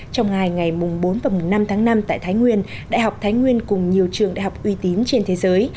trong ngày bốn và năm tháng năm tại thái nguyên đại học thái nguyên cùng nhiều trường đại học uy tín trên thế giới